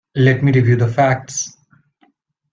Let me review the facts.